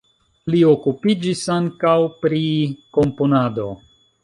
Li okupiĝis ankaŭ pri komponado.